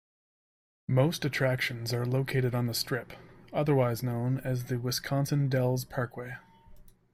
Most attractions are located on the Strip, otherwise known as the Wisconsin Dells Parkway.